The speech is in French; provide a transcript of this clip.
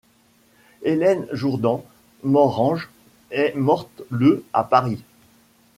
Hélène Jourdan-Morhange est morte le à Paris.